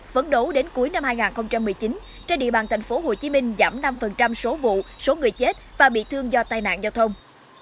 vấn đấu đến cuối năm hai nghìn một mươi chín trên địa bàn tp hcm giảm năm số vụ số người chết và bị thương do tai nạn giao thông